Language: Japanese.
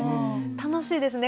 楽しいですね